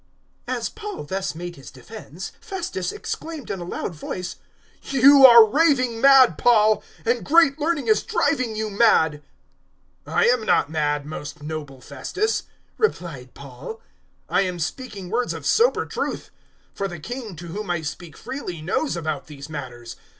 026:024 As Paul thus made his defence, Festus exclaimed in a loud voice, "You are raving mad, Paul; and great learning is driving you mad." 026:025 "I am not mad, most noble Festus," replied Paul; "I am speaking words of sober truth. 026:026 For the King, to whom I speak freely, knows about these matters.